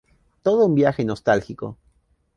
Todo un viaje nostálgico.